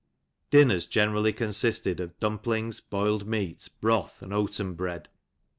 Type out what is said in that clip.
Dinners generally consisted of dumplings, boiled meat, broth and oaten bread.